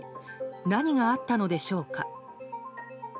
何があったのでしょうか？